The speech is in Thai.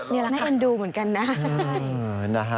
นี่แหละค่ะได้เห็นดูเหมือนกันนะ